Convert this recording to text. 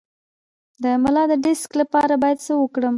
د ملا د ډیسک لپاره باید څه وکړم؟